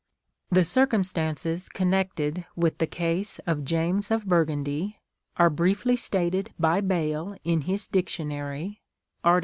The circumstances connected with the case of James of Burgundy, are briefly stated by Bayle in his Dictionary, (Art.